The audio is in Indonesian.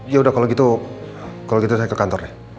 ya udah kalau gitu saya ke kantor ya